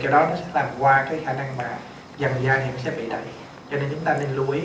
đi sau đó nó đi ra là nó sẽ đem qua cái khả năng mà dần dần anh sẽ bị để cho nên chúng ta nên lưu ý